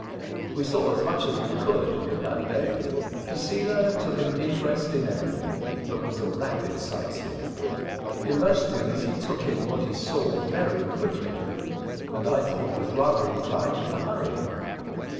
We saw as much as we could in that day. Posela took an interest in everything, but was a rapid sight seer. In most things he took in what he saw very quickly, and I thought was rather inclined to hurry.